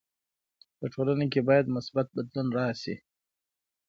په ټولنه کي بايد مثبت بدلون راسي.